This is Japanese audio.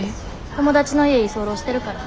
友達の家居候してるから。